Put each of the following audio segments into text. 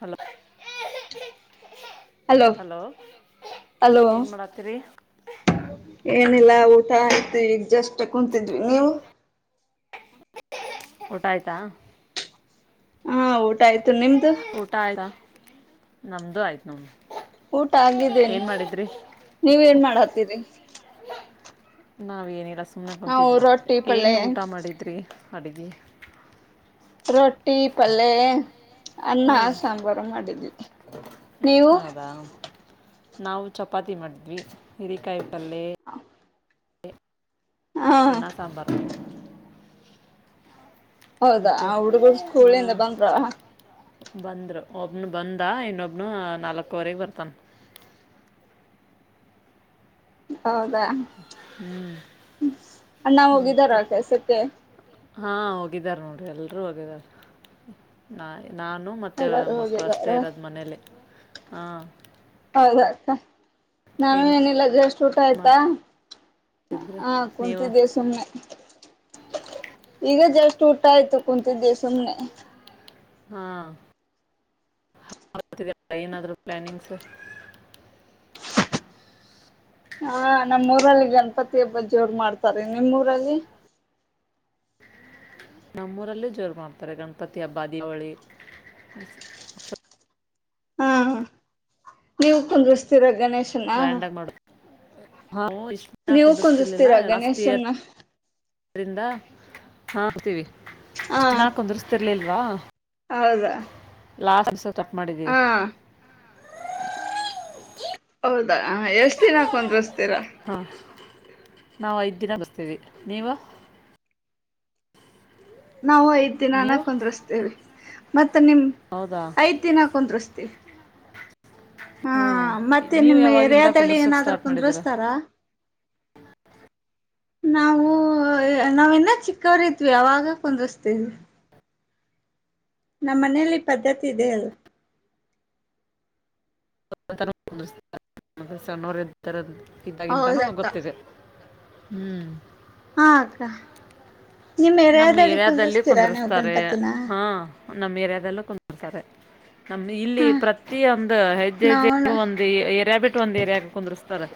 Hello hello hello ಏನ್ ಮಾಡತ್ತೀರಿ ಏನಿಲ್ಲ ಊಟ ಆಯ್ತು ಈಗ ಜಸ್ಟ್ ಕುಂತಿದ್ವಿ ನೀವು ಊಟ ಆಯ್ತಾ ಹಾ ಊಟ ಆಯ್ತು ನಿಮ್ದು ಊಟ ಆಯ್ತಾ ನಮ್ದು ಆಯ್ತು ನೋ ಊಟ ಆಗಿದ್ದೇನ್ ನೀವ ಏನ್ ಮಾಡತ್ತೀರಿ ನಾವೇಏನ ರಸುಮ್ನ ನಾವು ಕುಂತಿದ್ವಿ ರೊಟ್ಟಿ ಪಲ್ಲೆ ಏನ್ ಊಟ ಮಾಡಿದ್ರಿ ಅಡುಗೆ ರೋಟಿ ಪಲ್ಲೆ ಅನ್ನ ಹಾಂ ಸಾಂಬಾರು ಮಾಡಿದ್ವಿ ನೀವು ಹೌದಾ ನಾವು ಚಪಾತಿ ಮಾಡಿದ್ವಿ ಹೀರಿ ಕಾಯಿ ಪಲ್ಲೆ ಹಾ ಅನ್ನ ಸಾಂಬಾರ್ ಹೌದಾ ಆ ಹುಡುಗುರು ಸ್ಕೂಲಿಂದ ಬಂದ್ರ ಬಂದ್ರು ಒಬ್ನು ಬಂದ ಇನ್ನೊಬ್ನು ನಾಲ್ಕವರೆಗೆ ಬರ್ತನ್ ಹೌದಾ ಅಣ್ಣ ಹೋಗಿದಾರ ಕೆಲ್ಸಕ್ಕೆ ಹಾ ಹೋಗಿದಾರ ನೋಡ್ರಿ ಎಲ್ರೂ ಹೋಗಿದಾರ ನಾ ನಾನು ಮತ್ತು ಎಲ್ಲಾರು ಮಕ್ಕಳು ಹೋಗಿದಾರ ಅಷ್ಟೇ ಇರೋದು ಮನೇಲಿ ಹಾಂ ಹೌದಾ ಅಕ್ಕ ನಾನು ಏನು ಏನಿಲ್ಲಷ್ಟ ಊಟ ಆಯ್ತಾ ಮಾಡ್ತೀವಿ ಹ ನೀವು ಕುಂತಿದ್ದೀ ಸುಮ್ಮನೆ ಈಗ ಜಷ್ಟಟ್ ಊಟ ಆಯ್ತು ಕುೂತಿದ್ದೆ ಸುಮ್ಮ್ನೆ ಹಾ ಏನಾದ್ ಪ್ಲಾನಿಂಗ್ಸ್ ಹಾ ನಮ್ಮೂಊರಲ್ಲಿ ಗಣಪತಿ ಹಬ್ಬ್ ಜೋರು ಮಾಡ್ತಾರೆ ನಿಮ್ಮೂರಲ್ಲಿ ನಮ್ಮೂರಲ್ಲೂ ಜೋರು ಮಾಡ್ತಾರೆ ಗಣಪತಿ ಹಬ್ಬ ದೀಪವಳಿ ಹಾ ನೀವ ಕುಂದಸ್ತೀರ ಗಣೇಶನ್ನ ಹೌ ನೀವು ಕುಂದಿಸ್ತೀರಾ ಗಣೇಶನ್ನ ಅ್ರದ ಹಾ ಆತೀವಿ ಹಾ ಇಷ್ಟ ನಾಕ ಕುಂದರ್ಸ್ತಿರ್ಲಿಲ್ವಾ ಹೌದಾ ಲಾಸ್ಟ್ ದಸ ಕಟ್ ಮಾಡಿದ್ದ ಹಾ ಹೌದಾ ಎಷ್ಟು ದಿನ ಹಾಕೊಂದ್ರ ಹಾ ನಾವು ಐದ ದಿನ ಬರ್ತೀವಿ ನೀವು ನಾವು ಐದ್ ದಿನಾನ ನೀವು ಕುಂದ್ರಸ್್ತೇವಿ ಮತ್ ಮ ನಿಮ್ ಹೌದಾ ಐದು ದಿನ ಕುಂದ್ರಸ್ತೀವಿ ಹಾ ಹ್ಮ ಮತ್ತೆ ನೀವ್ ನಿಮ್ ಯಾವಾಗಿಂದ ಏರಿಯಾದಲ್ಲಿ ಕುಂದರ್ಸಕ್ ಏನಾದ್ರು ಸ್ಟಾರ್ಟ್ ಮಾಡಿದೀರಾ ಕುಂದ್ರಸ್ತಾರಾ ನಾವವು ನಾವ ಇನ್ನ ಚಿಕ್ಕವ್ರತ್್ವಿ ಅವಾಗ ಕುಂದಸ್ತೇವಿ ನಮ್ಮ್ ಮನೇಲಿ ಈ ಪದ್ಧತಿ ಇದೆ ಅಲ್ ಹ ಸನರ ಇದ್ದಾಗಿಂತಾನೂ ಹೌದಕ್ಕ ಗೊತ್ತಿದೆ ಹ್ಮ್ ಹಕ್ಕ ನಮ್ ಏರಿಯಾದಲ್ಲಿ ನೀವು ಕುಂದರ್ಸ್್ತಾರೆ ಗಣಪತಿನ ಹಾ ನಮ ಏರಿಯಾದಲ್ಲೂ ಕುಂದರ್ತಾರೆ ನಮ ಇಲ್ಲಿ ಹಾ ಪ್ರತಿಯ ಒಂದು ಹೆಜ್ಜೆ ಹೆಜ್ಜೆಗೂ ನಾವುನು ಒಂದು ಎರ ಬಿಟ್ಟ ಇ ಒಂದು ಏರಿಯಾಗ ಕುಂದರ್ಸ್ತಾರೆ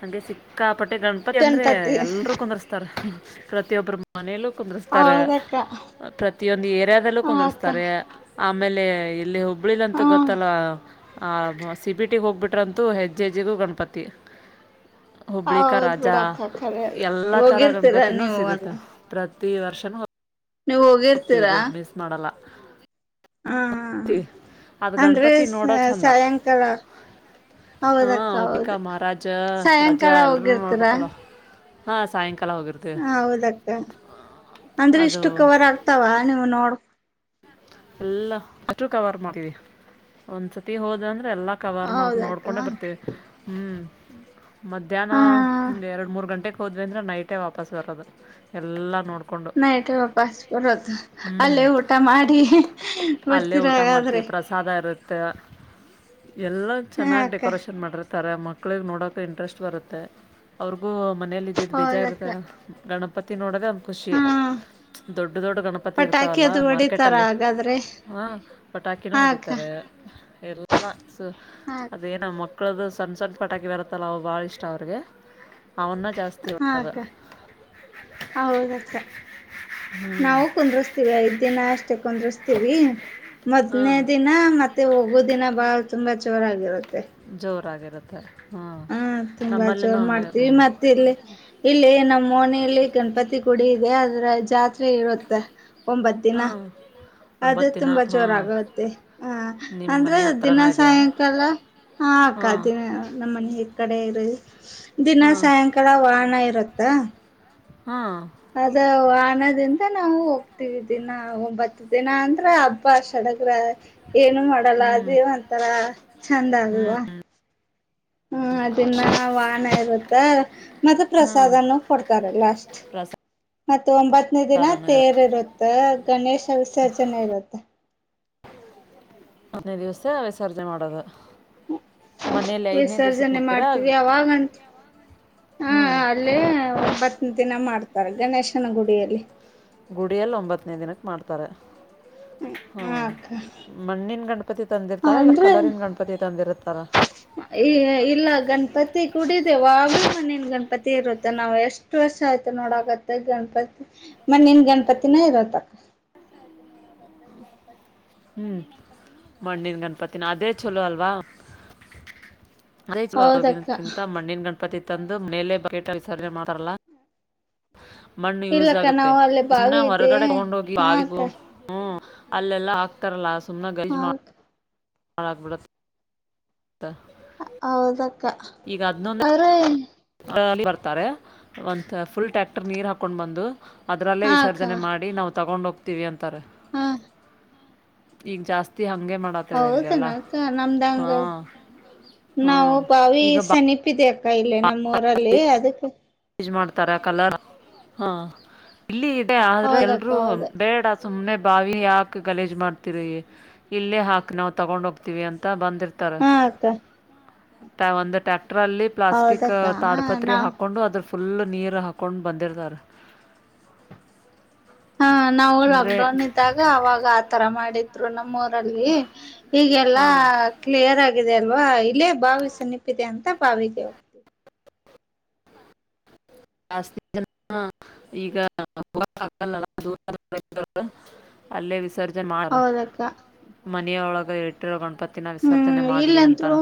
ಹೆ ಸಿಕ್ಕಾಪಟ್ಟೆ ಗಣಪತಿ ಅಂದ್ರೆ ಎಲ್ಲರೂ ಕುಂದರ್ಸ್ತಾರೆ ಪ್ರತ್ಯಿಯ ಪ್ರಮಾಣೆ ಕುಂದ್ರ್ತಾರೆ ಹೌದಕ್ಕ ಪ್ರತಿಯೊಂದು ಏರಿಯಾದಲ್ಲೂ ಹ ಅಕ್ಕ ಕುಂದರ್ಸ್ತಾರೆ ಆಮೇಲೆ ಇಲ್ಲಿ ಹುಬ್ಬಳಿಲ್ಂತ ಹಾ ಗೊತ್ತಲ್ಲ ಸಿ ಪಿ ಟಿಗೆ ಹೋಗ್ಬಿಟ್ರಂತೂ ಹೆಜ್ಜೆ ಎಜ್ಜಿಗೂ ಗಣಪತಿ ಹುಬ್ಳಿಕ ಹೌದ್ ರಾಜಾ ಬಿಡಕ್ಕ ಖರೆ ಅದು ಎಲ್ಲಾ ತರ ಹೋಗಿರ್ತೀರಾ ಗಣಪತಿನೂ ನೀವು ಸಿಗುತ್ತ ದರ್ಶನ ನೀವವು ಹೋಗಿರ್ತೀರಾ ಹಾ ಅದ ಅಂದ್ರೆ ಗಣಪತಿ ನೋಡೋ ಚಂದ ಸಾಯಂಕಾಲ ಹಾ ಹೌದಕ್ಕ ಹುಬಿಕ ಹೌದು ಮಹಾರಾಜ ರಜಾ ಸಾಯಂಕಾಲ ಎಲ್ಲರೂ ಹೋಗಿರ್ತೀರಾ ನೋಡ್ಬೇಕಲ್ಲ ಹಾಂ ಸಾಯಂಕ ಹೌದಕ್ಕ ಅಂದ್ರೆ ಅದು ಇಷ್ಟು ಕವರ್ ಆಗ್ತಾವ ನೀವು ನೋಡ್ ಎಲ್ಲ ಅಷ್ಟೂ ಕವರ್ ಮಾಡ್ತೀವಿ ಒಂದ್ಸತಿ ಹೋದಂದ್ರೆ ಎಲ್ಲಾ ಕವರ್ ಮಾಡ ನೋಡ್ಕೊಂಡೆ ಹೌದಕ್ಕ ಬರ್ತೇವಿ ಹ್ಮ್ ಮಧ್ಯಾಹ್ನ ಹಾ ಹಿಂಗೆ ಎರಡು ಮೂರು ಗಂಟೆಗೆ ಹೋದ್ವಿ ಅಂದ್ರೆ ನೈಟೇ ವಾಪಸ್ ಬರೋದು ಎಲ್ಲ ನೋಡ ನೈಟ್ ಪಪ ಬರದು ಹ್ಞೂ ಅಲ್ಲೇ ಊಟ ಮಾಡಿ ಅಲ್ಲೇ ಬರ್ತೀರ ಊಟ ಹಾಗಾದ್ರೆ ಮಾಡ್ತೀವಿ ಪ್ರಸಾದ ಇರುತ್ತೆ ಎಲ್ಲ ಹ ಚೆನ್ನಾಗಿ್ ಅಕ್ಕ ಡೆಕೋರೇಷನ್ ಮಾಡಿರ್ತಾರೆ ಮಕ್ಳಿಗೆ ನೋಡೋಕ ಇಂಟ್ರೆಸ್ಟ್ ಬರುತ್ತೆ ಅವ್ರ ು ಮನೇಲಿ ಇದಿದ್ದ ಹೌದಕ್ಕ ಬೇಜಾಗಿರುತ್ತ ಗಣಪತಿ ನೋಡದ ಖುಷಿ ಹಾ ದೊಡ್ಡ ದೊಡ್ಡ ಗಣಪತಿ ಇರ್ತಾವಲ್ಲ ಮಾರ್ಕೆಟಲ್ಲಿ ಎಾದರೆೆ ಹಾ ಪಟಾಕಿನೂ ಹೊಡಿತಾರೆ ಎಲ್ಲಾ ಸ ಹಾ ಅದೇನ ಮಕ್ಕ ಮಕ್ಕಳದು ಸಣ್ಣ ಸಣ್ಣ ಪಟಾಕಿ ಬರುತ್ತಲ್ಲ ಅವವು ಬಾಳ ಇಷ್ಟ ಅವ್ರಿಗೆ ಜಾಸ್ತಿಳ್ಳ ಹೌದತ್ತ ನಾವು ಕುಂದ್ರಸ್್ತೀವಿ ಐದ್ ದಿನ ಅಷ್ಟೆ ತೊಂದ್ರಸ್್ತೀವಿ ಹಾಂ ಮೊದ್ನೇ ದಿನ ಮತ್ತೆ ಹೋಗೋ ದಿನ ಬಾಳ್ ತುಂಬಾ ಚೋರಾಗಿರುತ್ತೆ ಜೋರಾಗಿರುತ್ತೆ ಹಾಂ ಹಾ ತುಂಬಾ ನಮ್ಮಲ್ಲಿನೂ ಜೋರ್ ಹಂಗೆ ಮಾಡ್ತೀವಿ ಹ್ಞೂ ಮತ್ತೆ ಇಲ್ಲಿ ಇಲ್ಲಿ ನಮ್ಮ ಮನೆಯಲ್ಲಿ ಗಣಪತಿ ಕುಡ ಇದೆ ಅದ್ರ ಜಾತ್ರೆ ಇರುತ್ತೆ ಒಂಬತ್ ದಿನ ಹಾಂ ಅದುೇ ಒಂಬತ್ತು ದಿನ ತುಂಬಾ ಜೋರ ಹಾಂ ಆಗತ್ತೆ ಹ ನಿಮ್ಮ ಅಂದ್ರೆ ಮನೆ ದಿನ ಹತ್ರನೇ ಇದೆಯಾ ಸಾಯಂಕಾಲ ಹಾ ಹಾಕ್ಕ್ದೇನೆ ನಮ್ಮ ಮನೆ ಹೇತ ಕಡೆ ಇರಿ ಹಾ ದಿನ ಸಾಯಂಕಾಲ ವಾಣ ಇರತ್ತಾ ಹಾ ಅದ ಆನದನ್ ಈಗ ನಾವು ಹೋಗ್ತೀವಿ ದಿನ ಒಂಬತ್ತು ದಿನ ಅಂದ್ರ ಹಬ್ಬ ಸಡಗ್ರ ಏನು ಮಾಡಲ್ಲ ಹ್ಮ್ ಅದುೇ ಒಂತರ ಚಂದ ಅಗಲ್ವಾ ಹಾ ಅದನ್ನ ವಹಾಣ ಇರುತ್ತ ಮತ್ತೆ ಹ್ಮ್ ಪ್ರಸಾದನ ಕೊಡ್ತಾರೆ ಲಾಸ್ಟ್ ಮತ್ತ ಒಂಬತ್ತನೇ ದಿನ ಪ್ರಸಾದನೂ ಇರುತ್ತೆ ತೇರ್ ಇರುತ್ತ ಗಣೇಶ ವಿಸರ್ಜನೆ ಇರುತ್ತೆ ಹದನೇ ದಿವ್ಸ ವಿಸರ್ಜನೆ ಮಾಡೋದು ಮನೆಯಲ್ಲಿ ಐದನೇ ದಿವ್ಸಕ್ಕೆ ವಿಸರ್ಜನೆ ಬಿಡ್ತೀರಾ ಹಾ ಅಲ್ಲೇ ಒಂಬತ್ ದಿನ ಮಾಡ್ತಾರ ಗಣೇಶನ ಗುಡಿಯಲ್ಲಿ ಗುಡಿಯಲ್ಲಿ ಒಂಬತ್ತನೇ ದಿನಕ್ಕೆ ಮಾಡ್ತಾರೆ ಹ್ಮ ಹ ಅಕ್ಕ ಮಣ್ಣನ್ ಗಣಪತಿ ತಂದಿರ್ತಾರ ಇಲ್ಲ ಅಂದ್ರೆ ಕಲರಿನ್ ಗಣಪತಿ ತಂದಿರುತ್ತಾರ ಈ ಇಲ್ಲ ಗಣಪತಿ ಕುಡಿದ ವಾಗ ಮನನ್ ಗಣಪತಿ ಇರುತ್ತೆ ನಾವು ಎಷ್ಟು ವರ್ಷ ಆಯ್ತು ನೋಡಕತ್ತೆ ಗಣಪತಿ ಮ ನೀನ್ ಗಣಪತಿನ ಇರೋತ್ತಕ್ಕ ಹ ಹ್ಮ್ ಮಣ್ಣಿನ ಗಣಪತಿನ ಅದೇ ಚಲೋ ಅಲ್ವಾ ಹೌದಕ್ಕ ಅದೇಕ್ಕಿಂತ ಮಣ್ಣಿನ ಗಣಪತಿ ತಂದು ಮೇಲೆ ಬೇಟ ವಿಸರ್ಜೆ ಮಾಡ್ತಾರಲ್ಲ ಮಣ್ಣು ಯೂಸ್ ಇಲ್ಲಕ್ಕ ಆಗುತ್ತೆ ನಾವು ಅಲ್ಲಿ ಇನ ಬಾವಿ ಐತಿ ಹೊರಗಡೆ ತಗೊಂಡ್ ಹೋಗಿ ಹಾ ಅಕ್ಕ ಬಾವಿಗೂ ಹ್ಮ ಅಲ್ಲೆಲ್ಲಾ ಹಾಕ್ತಾರಲ್ಲ ಸುಮ್ನೆ ಗಜ್ ಹಾ ಮಾಡ ಅಕ್ಕ ಅ ಬಿಳ ಹೌದಕ್ಕ ಆದ್ರೆ ಬರ್ತಾರೆ ಒಂತ ಫುಲ್ ಟ್ಯಾಕ್ಟರ್ ನೀರ್ ಹಾಕೊಂಡ್ ಬಂದು ಅದರಲ್ಲೇ ಹಾ ಅಕ್ಕ ವಿಸರ್ಜನೆ ಮಾಡಿ ನಾವು ತಗೊಂಡ ಹೋಗ್ತೀವಿ ಅಂತಾರೆ ಹಾ ಈಗ ಜಾಸ್ತಿ ಹಂಗೆ ಮಾಡತರ ಇಲ್ಲೆಲ್ಲ ಹೌದನಕ್ಕ ಹಾ ನಮ್ದಂಗ ಹಾ ನಾವು ಬಾವಿ ಈಗ ಸೆನಿಪ್ಪಿದ್ದ ಅಕ್ಕ ಇಲ್ಲಿ ನಮ್ಮ ಊರಲ್ಲಿ ಅದಕ್ಕೆ ಮಾಡ್ತ ಕಲರ್ ಹ ಇಲ್ಲಿ ಆದ್ರೆ ಹೌದಕ್ಕ ಎಲ್ರೂ ಹೌದ ಬೇಡ ಸುಮ್ಮ್ನೆ ಬಾವಿ ಯಾಕೆ ಗಲೇಜ್ ಮಾಡ್ತರಿ ಇಲ್ಲೇ ಹಾಕಿ ನಾವು ತಗೊಂಡ ಹೋಗ್ತಿವಿ ಅಂತ ಬಂದ ಹಾ ಅಕ್ಕ ಒಂದು ಟ್ಯಾಕ್ಟರ್ ಅಲ್ಲಿ ಪ್ಲಾಸ್ಟಿಕ್ ಹೌದಕ್ಕ ಅಡಪತ್ ನಾ ಹಾಕೊಂಡು ಅದ್ರ ಫುಲ್ ನೀರು ಹಾಕೊಂಡು ಬಂದಿರ್ತಾರ ಹಾ ನಾವು ಲಾಕ್ ಡೌನ್ ಇದ್ದಾಗ ಅವಾಗ ಆತರ ಮಾಡಿದ್ರು ನಮ್ಮ ಲ್ಲಿ ಈಗೆಲ್ಲಾ ಹಾ ಕ್ಲಿಯರ್ ಆಗಿದೆ ಅಲ್ವಾ ಇಲ್ಲೇ ಭಾವಿಸಿ ನಿಪಿದೆ ಅಂತ ಪಾವಿದ್ದ ಜಾಸ್ತಿ ಜನ ಈಗ ಅಲ್ಲೇ ವಿಸರ್ಜ ಹೌದಕ್ಕ ಮನೆಯೊಳಗೆ ಇಟ್ಟಿರೋ ಗಣಪತಿನ ವಿಸರ್ಜನೆ ಹ್ಮ್ ಮಾಡಲಿ ಅಂತಾರ ಇಲ್ಲಂತ್ರು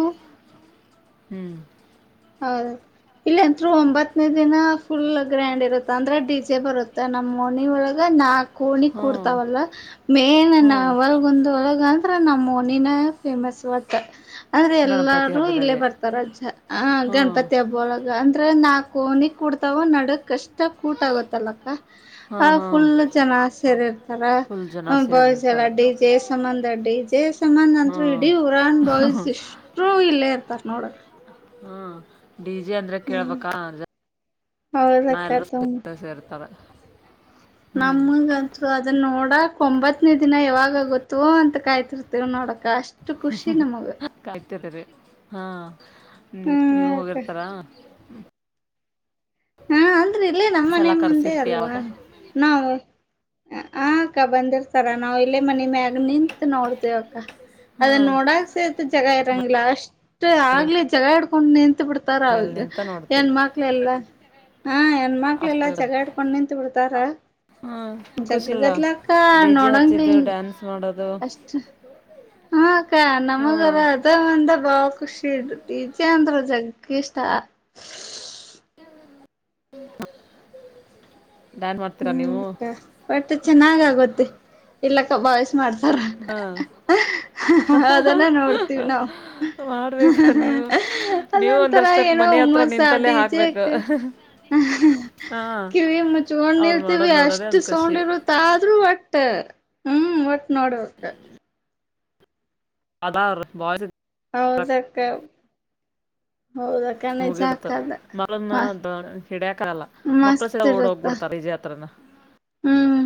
ಹ್ಮ್ ಹೌ ಇಲ್ಲ ಅಂರು ಒಂಬತ್ತನೇ ದಿನ ಫುಲ್ ಗ್ರ್ಯಾಂಡ್ ಇರುತ್ತ ಅಂದ್ರೆ ಡಿಜೆ ಬರುತ್ತೆ ನಮ್ಮ್ ಮನ ಒಳಗ ನಾಕು ಕೋಣಿ ಹ್ಮ್ ಕೂಡ್ತಾವಲ್ಲ ಮೇಲ ನ ಹ್ಮ್ ಅವಲ್ಗ ಒಂದೊಳಗ ಅ ನಮ್ಮ ನಿನ ಫೇಮಸ್ ಅಟ ಅಂದ್ರೆ ಗಣಪತಿ ಎಲ್ಲಾರೂ ಇಲ್ಲೇ ಹಬ್ಬದಲ್ಲಿ ಬರ್ತಾರ ಅಜ್ಜ ಆ ಹ್ಞೂ ಗಣಪತಿ ಹಬ್ಬೊಳಗ ಅಂದ್ರೆ ನಾ ಕೋನಿಿಗೆ ಕುಡ್ತಾವ ನಡಕ್ ಕಷ್ಟ ಕೂಟ ಆಗತ್ತಲಕ್ಕ ಹಾಂ ಆ ಹಾಂ ಫುಲ್ ಜನ ಆಸರ್ ಇರ್ತಾರ ಫುಲ್ ಜನ ಬಾಯ್ಸ್ ಸೇರಿರ್ತಾರೆ ಅಡ್ಡಿ ಜಯಸಬಂದ್ ಅಡ್ಡಿ ಜಯಸಂದ್ ಹ್ಞೂ ಅಂತರು ಇಡೀ ಉರಾನ್ ಬಾಯ್ಸ್ ಹ್ಞೂ ಇಷ್ಟರು ಇಲ್ಲೇ ಅಂತ ನೋಡಕ್ ಹ್ಮ್ ಡಿ ಜೆ ಅಂದ್ರೆ ಹ್ಮ್ ಕೇಳ್ಬೇಕಾ ಹೌದಕ್ಕ ಎ ಸೇರ್ತಾರೆ ಹ್ಞೂ ನಮಗಂತ ಅದನ್ನ ನೋಡ ನೋಡ ಒಂಬತ್ತನೇ ದಿನ ಯಾವಾಗ ಆಗೊತ್ತು ಅಂತ ಕಾಯ್ತಿರ್ತಿವ ನೋಡ್ಡೋ ಅಷ್ಟು ಖುಷಿ ನಮಗ ಹಾ ನೀ ಹ್ಮ್ ನೀವು ಅಕ್ಕ ಹೋಗಿರ್ತಾರಾ ಹಾ ಅಂದ್ರೆ ಇಲ್ಲ ನಮ್ಮ ಮನೆ ಸಲ ಮುಂದೆ ಕರ್ಸಿರ್ತಿ ಅಲ್ವಾ ಯಾವಾಗ ನಾವು ಆ ಅಕ್ಕ ಬಂದಿರ್ತಾರ ನಾವವು ಇಲ್ಲೇ ಮನೆ ಮ್ಯಾಗ ನಿತ್ ನೋಡ್ತಿವ ಅಕ್ಕ ಹ್ಞೂ ಅದನ್ನ ನೋಡಕ್ ಜಗ ಇರಂಗಿಲ್ಲ ಅಷ್ಟ್ ಆಗ್ಲಿ ಜಗ ಇಡ್ಕೊಂಡು ನಿಂತ ಮೇಲೆ ಬಿಡ್ತಾರೌದು ನಿಂತ ನೋಡ್ತಿ ಏನ್ ಮಕ್ಳ ಎಲ್ಲ ಹಾ ಹೆಣ್ಮಕ್ಳಲ್ಲಾ ಅಷ್ಟು ಚಗ ಇಡ್ಕೊಂಡು ನಿಂತತ್ ಬಿಡ್ತಾರ ಹ್ಞೂ ಖುಷಿ ಇಲ್ಲ ಜಗ್ಗಗದಲಾಕ್ಕ ಡಿ ಜೆ ಹಚ್ಚಿದ್ದು ನೋಡಂಗಲ್ಂಗೆ ಡ್ಯಾನ್ಸ್ ಮಾಡೋದು ಅಷ್ಟ ಹ ಅಕ್ಕ ಹ್ಞೂ ನಮಗ ಅದ ಒಂದ ಬಾವ [unintelligible] [unintelligible] ಡ್ಯಾನ್ಸ್ ಮಾಡ್ತೀರಾ ಹ್ಮ್ ನೀವು ಬಟ್ ಚೆನ್ನಾಗ ಆಗತ್ತೆ. ಇಲ್ಲ ಕಭಾಸ ಮಾಡ್ತಾರ. ಹಾಂ ಅದನ್ನ ನೋಡ್ತೀವಿ ನಾವು [unintelligible] ಮಾಡ್ಬೇಕು ನೀವು ನೀವು ಒಂದ ಅದೊಂತರ ಸ್ಟೆಪ್ ಏನೋ ಮನೆ ಹತ್ರ ಹುಮ್ಮಸ ನಿಂತಲ್ಲೇ ಡಿಜೆ ಹಾಕ್ಬೇಕು. ಹಾ ಕಿವಿ ಮುಚ್ಕೊಂಡ್ ನಿಲ್ತೀವಿ ಅಷ್ಟು ಸೌಂಡ್ ಇರುತ್ತ ಆದ್ರೂ ಒಟ್ಟ ಹ್ಮ್ ಒಟ್ಟು ನೋಡ ಓಟ್. ಅದಾರ್ ಬಾಯ್ಸ್ ಹೌದಕ್ಕ ಹೌದಕ್ಕ ನಿಜ ಮುಗಿತ ಅಕ್ಕ ಅದ ಮಸ್ತ್ [inaudible] ಹಿಡಾಯಾಕ್ಕಲ್ಲ ಮಕ್ಕಳು ಮಸ್ತ್ ಸಹ ಓಡಿ ಇರುತ್ತ ಹೋಗ್ಬಿಡ್ತಾರ ವಿಜಯ ಹತ್ರನ ಹ್ಮ್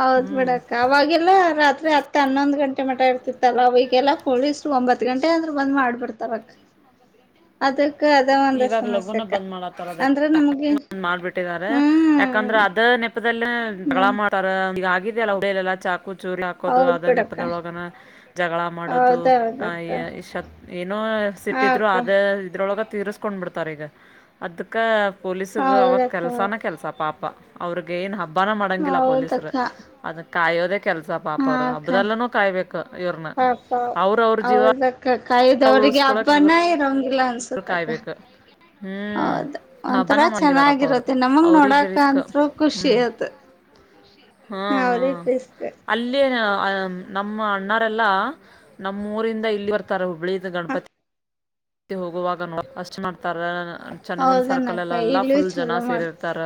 ಹೌದ್ ಹ್ಞೂ ಬಿಡಕ್ಕ ಅವಾಗೆಲ್ಲ ರಾತ್ರಿ ರಾತ್ರಿ ಹತ್ ಹನ್ನೊಂದ್ ಗಂಟೆ ಮಠ ಇರ್ತಿತ್ತಲ್ಲ ಅವ ಈಗೆಲ್ಲ ಪೊಲೀಸ್ ಒಂಬತ್ ಗಂಟೆ ಅಂದ್ರ ಬಂದ್ ಮಾಡ್ಬಿಡ್ತಾರ ಅಕ್ಕ. ಅದಕ್ಕ ಅದ ಒಂದ ಸಮಸ್ಯೆ ಅಕ್ಕ ಅಂದ್ರನು ಮಾಡ್ಬಿಟ್ಟಿದಿದ್ದಾರೆ ಯಾಕಂದ್ರ ಅದ ನೆಪದದಲ್ಲೇ ಜಗಳ ಹ್ಮ್ ಮಾಡಾವ್ರ ಈಗ ಆಗಿದ್ದ [inaudible] ಚಾಕು ಚೂರ್ಲ ಹಾಕೋದು ಹೌದ್ ಅದ ಬಿಡಕ್ಕ ನೆಪದೊಳಗನ ಜಗಳ ಮಾಡೋದು ಹೌದೌದಕ್ಕ ಆತ್ ಏನೋ ಎಷ್ಟ ಹಾ ಸಿಟ್ಟಿದ್ರು ಅಕ್ಕ ಅದ ಇದ್ರೊಳಗ ತೀಸ್ಕೊಂಡ್ಬಿಡ್ತಾರ ಈಗ ಅದಕ್ಕೆ ಪೊಲೀಸಗ ಅವಾಗ ಹೌದಕ್ಕ ಕೆಲ್ಸಾನ ಕೆಲ್ಸ ಪಾಪ ಅವ್ರಿಗ ಏನ್ ಹಬ್ಬಾನೆ ಮಾಡಂಗಿಲ್ಲ ಪೊಲೀಸರು ಹೌದಕ್ಕ ಅದ ಕಾಯೋದೆ. ಕೆಲ್ಸ ಪಾಪ ಅವ್ರರದ ಹಬ್ಬದಲ್ಲಿನು ಕಾಯ್ಬೇಕ. ಹಾ ಅಕ್ಕ ಹೌದಕ್ಕ. ಕಾಯುದ ಅವ್ರಿಗೆ ಉಳ್ಸ್ಕೊಳಕ್ ಇವ್ರು ಹಬ್ಬಾನ ಇರೋಂಗಿಲ್ಲ ಅವರು ಅನ್ಸುತ್ತ ಅಕ್ಕ. ಕಾಯ್ಬೇಕು ಹ್ಮ್ ಹೌದ ಒಂಥರ ಹಬ್ಬಾನ ಮಾಡಂಗಿಲ್ಲ ಪಾಪ ಅವರು ಚೆನ್ನಾಗಿರತ್ತೆ ನಮಗ್ ನೋಡಕ ಅಂತ್ರು ಖುಷ ಅದ. ಹ್ಮ ಹಾ ಅಲ್ಲಿ ಅ ನಮ್ಮ ಅಣ್ಣರೆಲ್ಲಾ ನಮ್ಮೂರಿಂದ ಇಲ್ಲಿ ಬರ್ತಾರ ಹುಬ್ಬಳ್ಳಿದ ಗಣಪತಿ ಮತ್ತೆ ಹೋಗುವಾಗ ನೋಡ ಅಷ್ಟ್ ಮಾಡ್ತಾರ ಚನ್ನಮ್ಮನ ಹೌದನಕ್ಕ ಸರ್ಕಲಲ್ಲೆಲ್ಲ ಇಲ್ಲಿ ಫುಲ್ ಜನ ಚಲೋ ಮಾಡ್ತ ಸೇರಿರ್ತಾರ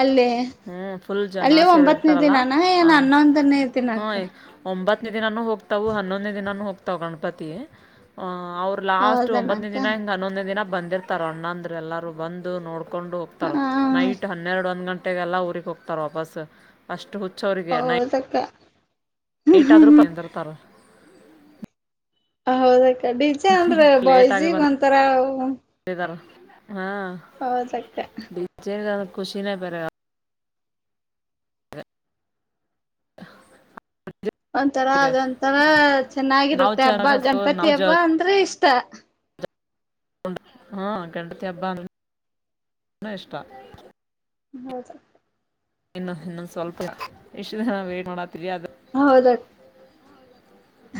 ಅಲ್ಲಿ ಹ್ಮ್ ಫುಲ್ ಜನ ಅಲ್ಲಿ ಒಂಬತ್ತನೇ ಸೇರಿರರ್ತಾರಲ್ಲ ದಿನಾನ ಏನ್ ಆ ಹನ್ನೊಂದನೇ ಹ್ಮ ದಿನಕ್ಕ ಒಂಬತ್ತು [inaudible] ದಿನಾನೂ ಹೋಗ್ತಾವು ಹನ್ನೊಂದನೇ ದಿನಾನು ಹೋಗ್ತಾವ ಗಣಪತಿ ಅ ಅವ್ರು ಲಾಸ್ಟ್ ಒಂಬತ್ತನೇ ಹೌದನಕ್ಕ ದಿನ ಹಿಂಗ್ ಹನ್ನೊಂದನ ದಿನ ಬಂದಿರ್ತಾರ ಅಣ್ಣಂದ್ರ ಎಲ್ಲಾರೂ ಬಂದು ನೋಡ ಕೊಂಡು ಹ ಹೋಗ್ತಾರ ನೈಟ್ ಹನ್ನೆರಡು ಒಂದು ಗಂಟೆಗೆಲ್ಲಾ ಊರಿಗೆ ಹೋಗ್ತಾರೆ ವಾಪಸ್ ಅಷ್ಟು ಹುಚ್ಚು. ಹೌದಕ್ಕ. ಮೀಟ್ ಆದ್ರರು ತಂದಿರ್ತಾರ. ಹೌದಕ್ಕ ಡಿಜೆ ಅಂದ್ರ ಲೇಟಾಗಿ ಬಾಯ್ಸ್ಗಿಗ ಒಂತರ ಹಾ ಡಿಜೆದಾಗ ಖುಷಿನ ಬೇರೆ [unintelligible] ಒಂತರ ಅವ್ರಿಗೆ ಅದೊಂಥರಾ ನಾವು ಚೆನ್ನಾಗಿರುತ್ತೆ ಹಬ್ಬ ಚೆನ್ನಾಗಿ ಹಸ್ತು ಗಣಪತಿ ನಾವು ಜ ಹಬ್ಬ ಅಂದ್ರೆ ಇಷ್ಟ. ತ್ತ ಹಾ ಗಣಪತಿ ಹಬ್ಬ ಅಂದ್ರೆ ಇಷ್ಟ. ಹೌದಾ. ಇನ್ನೊ ಇನ್ನೊಂದ್ ಸ್ವಲ್ಪ ಐತಿ [unintelligible] ಹೌದ.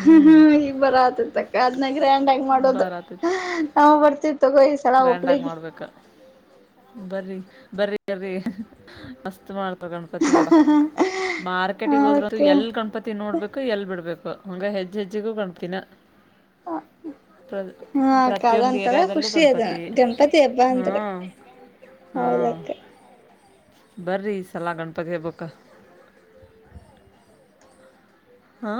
ಹ್ಮ್ ಈಗ ಬರತೈತಿ ಅಕ್ಕ ಅದ್ನ ಗ್ರ್ಯಾಂಡ್ ಆಗಿ ಮಾಡೋದು ಬರತೈತಿ ನಾವ ಬರ್ತಿತಿದ್ವಿ. ತೊಗೊ ಈ ಸಲ ಗ್ರ್ಯಾಂಡ್ ಆಗಿ ಹುಬ್ಬಳಿಗ. ಮಾಡ್ಬೇಕ ಬರ್ರಿ ಬರ್ರಿ ಬರ್ರಿ ಮಸ್ತ್ ಮಾಡ ಗಣಪತಿ ಅಬ ಮಾರ್ಕೆಟಗ ಹೋದ್ರ ಹಕೆ ಎಲ್ ಗಣಪತಿ ನೋಡ್ಬೇಕು ಎಲ್ ಬಿಡ್ಬೇಕು ಹಂಗ ಹೆಜ್ಜ ಹೆಜ್ಜಿಗೂ ಕಾಣಪ್ತೀಿನ ಹ ಪ್ರತಿಯೊಂದು ಏರಿಯಾದಲ್ಲೂ ಕಾಣ ಗಂಪತಿ ಹಬ್ಬಾ ಅಂದ್ರ ಹಾಂ ಹೌದಕ್ಕ ಬರ್ರಿ ಸಲ ಗಣಪತಿ ಹೇಬೇಕ ಹಾ